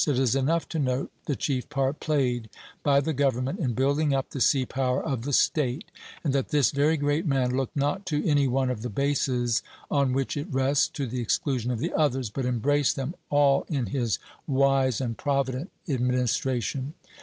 It is enough to note the chief part played by the government in building up the sea power of the State, and that this very great man looked not to any one of the bases on which it rests to the exclusion of the others, but embraced them all in his wise and provident administration.